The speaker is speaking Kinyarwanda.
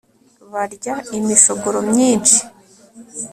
barya imishogoro myinshi